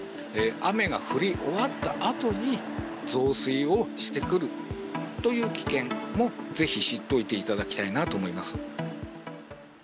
雨が降り終わったあとに増水してくるという危険もぜひ知っておいていただきたいなと思います。